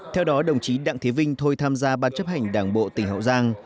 theo đó đồng chí đặng thế vinh thôi tham gia ban chấp hành đảng bộ tỉnh hậu giang